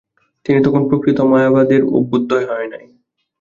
কিন্তু তখন প্রকৃত মায়াবাদের অভ্যুদয় হয় নাই।